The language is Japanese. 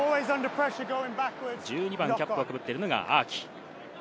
１２番、キャップをかぶっているのがアーキ。